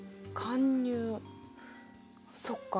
そっか